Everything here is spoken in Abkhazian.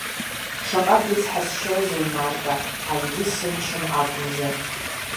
Шаҟа брыцҳасшьозеи, Марҭа, акгьы сымчым акәымзар…